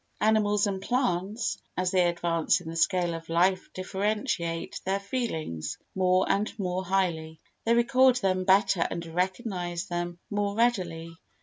Animals and plants, as they advance in the scale of life differentiate their feelings more and more highly; they record them better and recognise them more readily.